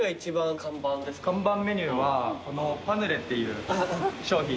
看板メニューはこのパヌレっていう商品で。